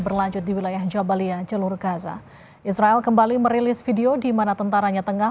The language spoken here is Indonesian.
berlanjut di wilayah jabalia jalur gaza israel kembali merilis video di mana tentaranya tengah